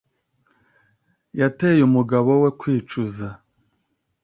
yatera umugabo we kwicuza.